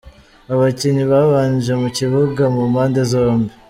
Abakinnyi babanje mu kibuga ku mapnde zombi :